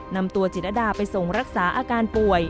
นำตัวจิตรดาไปส่งรักษาอาการป่วย